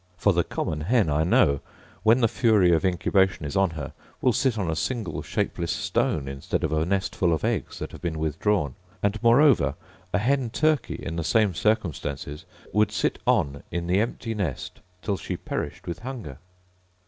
For the common hen, I know, when the fury of incubation is on her, will sit on a single shapeless stone instead of a nest full of eggs that have been withdrawn: and, moreover, a hen turkey, in the same circumstances, would sit on in the empty nest till she perished with hunger.